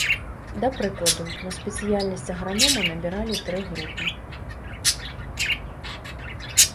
Да прыкладу, на спецыяльнасць агранома набіралі тры групы.